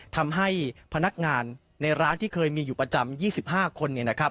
ทำให้พนักงานในร้านที่เคยมีอยู่ประจำ๒๕คน